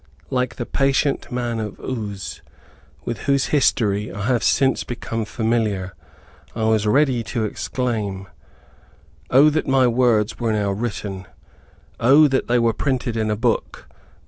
Like the patient man of Uz, with whose history I have since become familiar, I was ready to exclaim, "O that my words were now written! O that they were printed in a book!